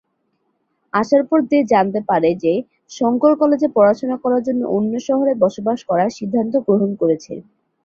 আসার পর দে জানতে পারে যে, শঙ্কর কলেজে পড়াশোনা করার জন্য অন্য শহরে বসবাস করার সিদ্ধান্ত গ্রহণ করেছে।